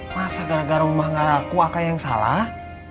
masa gara gara rumah gak laku akan yang salah